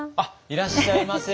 いらっしゃいませ。